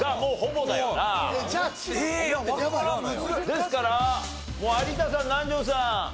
ですから有田さん南條さん